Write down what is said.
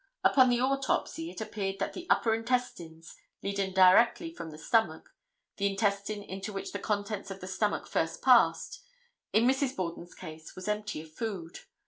Upon the autopsy it appeared that the upper intestines, leading directly from the stomach—the intestine into which the contents of the stomach first pass—in Mrs. Borden's case was empty of food.